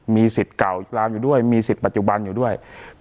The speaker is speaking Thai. มีสิทธิ์เก่าลามอยู่ด้วยมีสิทธิ์ปัจจุบันอยู่ด้วย